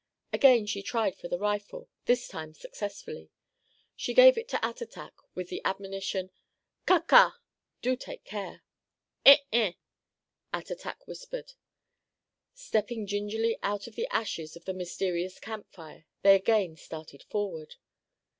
Again she tried for the rifle, this time successfully. She gave it to Attatak, with the admonition: "Ca ca!" (Do take care!) "Eh eh," Attatak whispered. Stepping gingerly out of the ashes of the mysterious camp fire, they again started forward.